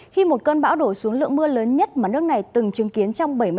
khi một cơn bão đổ xuống lượng mưa lớn nhất mà nước này từng chứng kiến trong bảy mươi năm năm qua